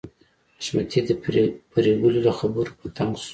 حشمتي د پريګلې له خبرو په تنګ شو